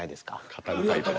語るタイプや。